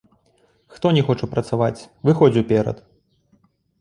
Хто не хоча працаваць, выходзь уперад!